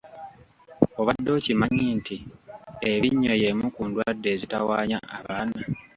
Obadde okimanyi nti ebinnyo y’emu ku ndwadde ezitawaanya abaana?